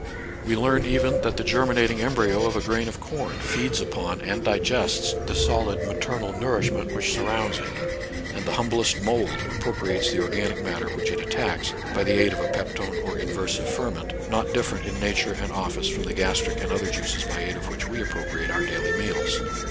We learn, even, that the germinating embryo of a grain of corn feeds upon and digests the solid maternal nourishment which surrounds it, and the humblest mould appropriates the organic matter which it attacks, by the aid of a peptone or inversive ferment, not different in nature and office from the gastric and other juices by aid of which we appropriate our daily meals.